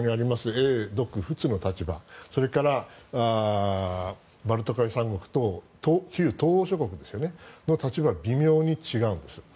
英独仏の立場それからバルト海３国と旧東欧諸国の立場は微妙に違うんです。